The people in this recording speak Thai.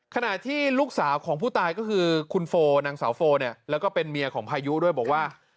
ขณะที่ลูกสาวของผู้ตายก็คือคุณโฟนางสาวโฟเนี่ยแล้วก็เป็นเมียของพายุด้วยบอกว่า